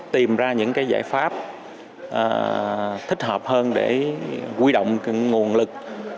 tìm ra những cái giải pháp thích hợp hơn để huy động nguồn lực